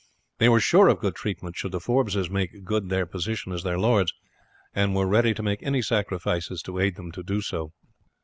They were sure of good treatment should the Forbeses make good their position as their lords, and were ready to make any sacrifices to aid them to do so.